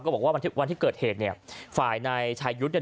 ก็บอกว่าวันที่วันที่เกิดเหตุเนี้ยฝ่ายในชายยุทธ์เนี้ย